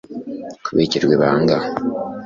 kubikirwa ibanga